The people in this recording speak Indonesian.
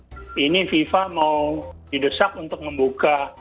ini fifa mau didesak untuk membuka ini fifa mau didesak untuk membuka